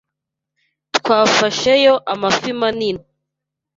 Twafasheyo amafi manini.